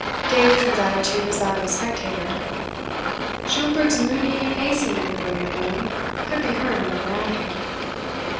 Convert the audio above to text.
Davidson's attitude was that of a spectator. Schomberg's moody pacing of the billiard room could be heard on the veranda.